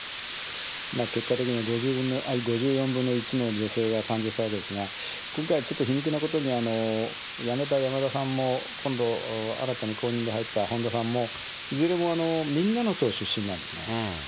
結果的に５４分の１の女性が誕生したわけですが、今回はちょっと皮肉なことには、辞めた山田さんの今度新たに後任で入った本田さんも、いずれもみんなの党出身なんですね。